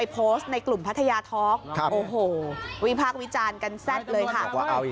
เอาอีกแล้วพี่วินเชอร์กับโบ๊ะ